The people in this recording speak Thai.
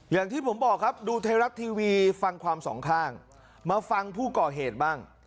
อย่างที่ผมบอกครับดูไทยรัฐทีวีฟังความสองข้างมาฟังผู้ก่อเหตุบ้าง